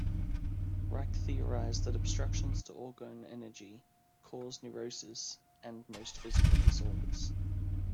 Reich theorized that obstructions to orgone energy cause neuroses and most physical disorders.